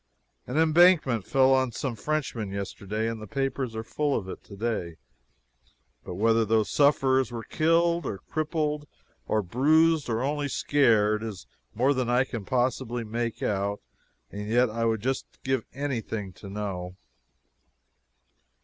An embankment fell on some Frenchmen yesterday, and the papers are full of it today but whether those sufferers were killed, or crippled, or bruised, or only scared is more than I can possibly make out, and yet I would just give anything to know.